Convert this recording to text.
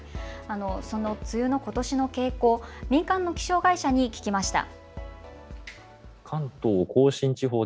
その梅雨のことしの傾向を民間の気象会社に聞きました。